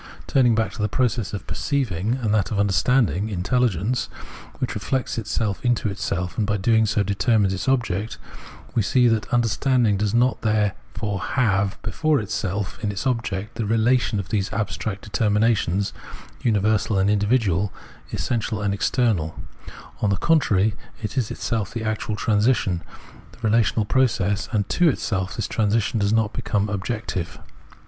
Turning back to the process of per Observation of Organic Nature 267 ceiving and that of understanding (intelligence), which reflects itself into itself, and by so doing determines its object, we see that understanding does not there have before itself in its object the relation of these abstract determinations, universal and individual, essen tial and external ; on the contrary, it is itself the actual transition, the relational process, and to itself this transi tion does not become objective.